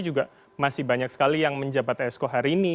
juga masih banyak sekali yang menjabat esko hari ini